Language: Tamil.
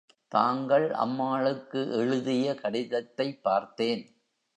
தாங்கள் அம்மாளுக்கு எழுதிய கடிதத்தைப் பார்த்தேன்.